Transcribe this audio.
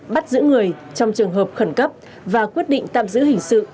bắt giữ người trong trường hợp khẩn cấp và quyết định tạm giữ hình sự